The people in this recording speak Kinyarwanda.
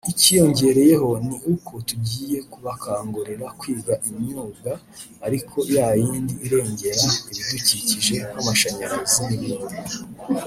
Icyiyongereyeho ni uko tugiye kubakangurira kwiga imyuga ariko ya yindi irengera ibidukikije nk’amashanyarazi n’ibindi”